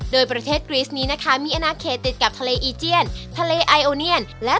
โดยประเทศกรีสนี้นะคะมีอนาเขตติดกับทะเลอีเจียนทะเลไอโอเนียนและ